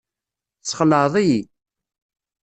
Tessexlaɛeḍ-iyi.